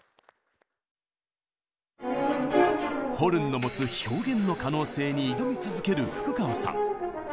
ホルンの持つ「表現の可能性」に挑み続ける福川さん。